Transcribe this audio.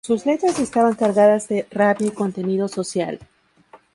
Sus letras estaban cargadas de rabia y contenido social.